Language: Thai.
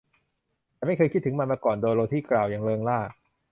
ฉันไม่เคยคิดถึงมันมาก่อน โดโรธีกล่าวอย่างเริงร่า